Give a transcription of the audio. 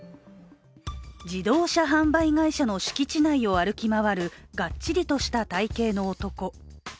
自動車販売会社の敷地内を歩き回るがっちりとした体形の男。